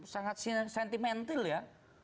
sangat sentimental ya